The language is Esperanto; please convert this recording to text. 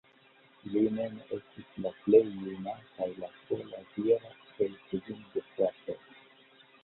Li mem estis la plej juna, kaj la sola vira, el kvin gefratoj.